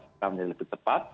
sekarang menjadi lebih cepat